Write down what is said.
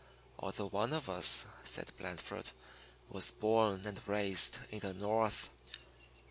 "Although one of us," said Blandford, "was born and raised in the North."